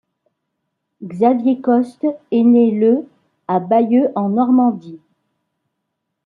Xavier Coste est né le à Bayeux en Normandie.